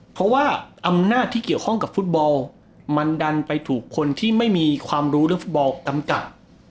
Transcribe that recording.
เพราะว่าอำนาจที่เกี่ยวข้องกับฟุตบอลมันดันไปถูกคนที่ไม่มีความรู้เรื่องฟุตบอลกำกับ